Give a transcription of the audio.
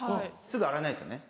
すぐ洗わないですよね？